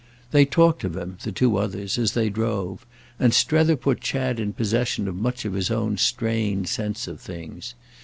They talked of him, the two others, as they drove, and Strether put Chad in possession of much of his own strained sense of things.